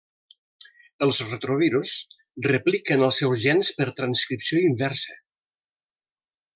Els retrovirus repliquen els seus gens per transcripció inversa.